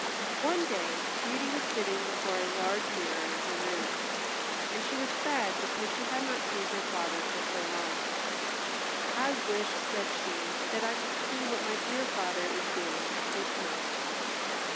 One day Beauty was sitting before a large mirror in her room, and she was sad because she had not seen her father for so long. "I wish," said she, "that I could see what my dear father is doing at this moment."